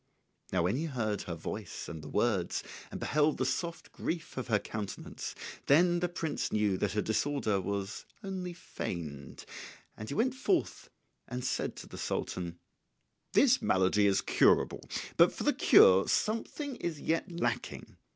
Now when he heard her voice and the words, and beheld the soft grief of her countenance, then the prince knew that her disorder was only feigned; and he went forth and said to the Sultan, "This malady is curable; but for the cure something is yet lacking.